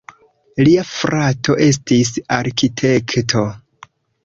Lia frato estis arkitekto.